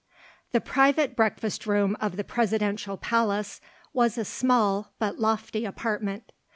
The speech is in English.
The private breakfast room of the Presidential palace was a small but lofty apartment.